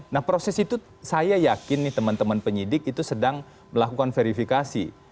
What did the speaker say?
nah proses itu saya yakin nih teman teman penyidik itu sedang melakukan verifikasi